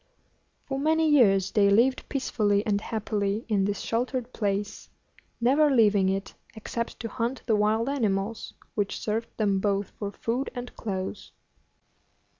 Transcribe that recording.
For many years they lived peacefully and happily in this sheltered place, never leaving it except to hunt the wild animals, which served them both for food and clothes.